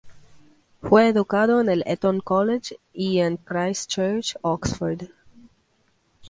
Fue educado en el Eton College y en Christ Church, Oxford.